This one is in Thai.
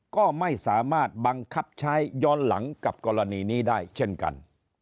ก็ไม่สามารถบังคับใช้ย้อนหลังกับกรณีนี้ได้เช่นกัน